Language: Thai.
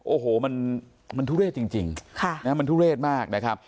โอ้โหมันทุเรศจริงมันทุเรศมากนะครับ